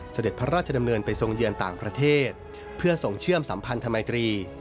เสด็จพระราชดำเนินไปทรงเยือนต่างประเทศเพื่อส่งเชื่อมสัมพันธมิตรี